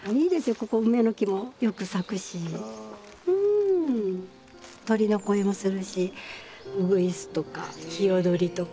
ここ梅の木もよく咲くしうん鳥の声もするしウグイスとかヒヨドリとか。